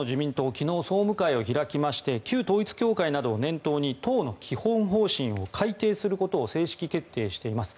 昨日、総務会を開きまして旧統一教会などを念頭に党の基本方針を改定することを正式決定しています。